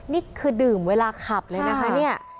นี่คือดื่มเวลาขับเลยนะคะเนี่ย